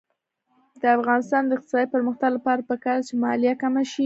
د افغانستان د اقتصادي پرمختګ لپاره پکار ده چې مالیه کمه شي.